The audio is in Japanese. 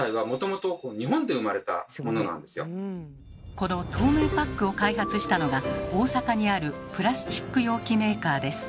この透明パックを開発したのが大阪にあるプラスチック容器メーカーです。